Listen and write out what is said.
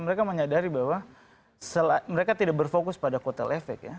mereka menyadari bahwa mereka tidak berfokus pada kotel efek ya